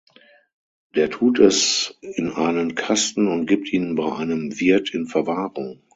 Der tut es in einen Kasten und gibt ihn bei einem Wirt in Verwahrung.